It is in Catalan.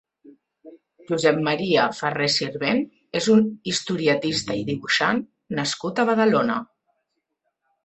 Josep Maria Ferrer Sirvent és un historietista i dibuixant nascut a Badalona.